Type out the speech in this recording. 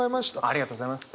ありがとうございます。